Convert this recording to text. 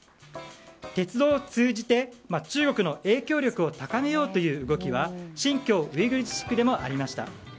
鉄道を通じて中国の影響力を高めようという動きは新疆ウイグル自治区でもありました。